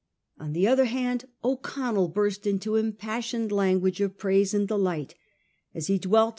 On the other hand, O'Connell burst into impassioned language of praise and delight,, as he dwelt upon 1839.